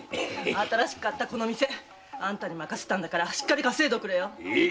新しく買ったこの店あんたにまかせたからしっかり稼いでよ！